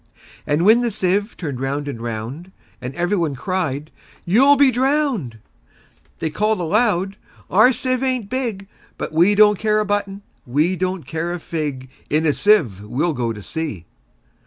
And when the sieve turn'd round and round, And every one cried, "You 'll be drown'd!"They call'd aloud, "Our sieve ain't big:But we don't care a button; we don't care a fig:In a sieve we 'll go to sea!"